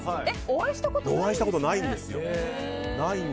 お会いしたことないんですよ。